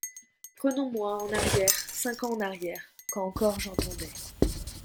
Prenons-moi, en arrière, cinq ans en arrière, quand encore j’entendais.